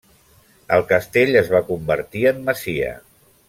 El castell es va convertir en masia.